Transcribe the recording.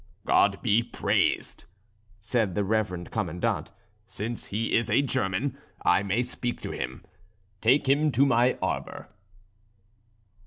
"God be praised!" said the reverend Commandant, "since he is a German, I may speak to him; take him to my arbour."